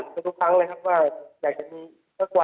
ทุกวันที่ผมอยู่ข้างในนั้นผมมันฝันกับทุกครั้งเลยครับว่า